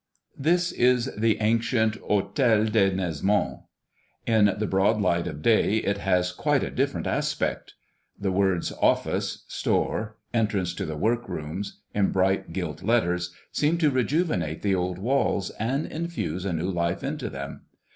This is the ancient Hôtel de Nesmond. In the broad light of day it has quite a different aspect. The words "Office," "Store," "Entrance to the work rooms," in bright gilt letters, seem to rejuvenate the old walls and infuse a new life into them.